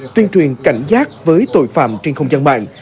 tuyên truyền cảnh giác với tội phạm trên không gian mạng